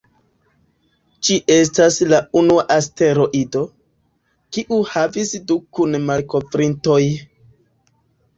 Ĝi estas la unua asteroido, kiu havis du kun-malkovrintoj.